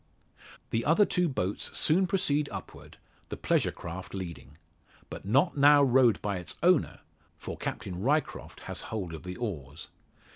The other two boats soon proceed upward, the pleasure craft leading. But not now rowed by its owner; for Captain Ryecroft has hold of the oars.